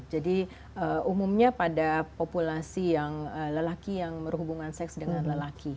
jadi umumnya pada populasi yang lelaki yang berhubungan seks dengan lelaki